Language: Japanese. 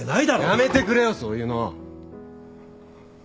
やめてくれよそういうの。